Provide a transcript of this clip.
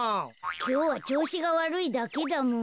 きょうはちょうしがわるいだけだもん。